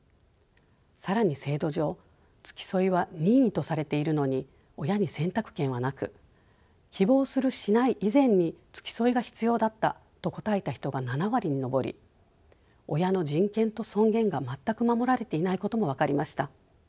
更に制度上付き添いは任意とされているのに親に選択権はなく希望するしない以前に付き添いが必要だったと答えた人が７割に上り親の人権と尊厳が全く守られていないことも分かりました。